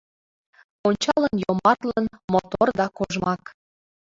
Ончалын йомартлын, мотор да кожмак.